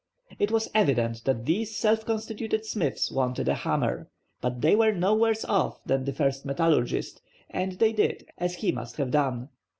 It was evident that these self constituted smiths wanted a hammer, but they were no worse off than the first metallurgist, and they did as he must have done.